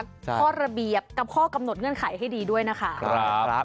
ข้อระเบียบกับข้อกำหนดเงื่อนไขให้ดีด้วยนะคะ